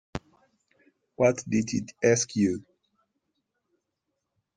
What did it ask you?’